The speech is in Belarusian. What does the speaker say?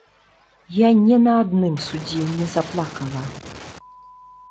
Я не на адным судзе не заплакала.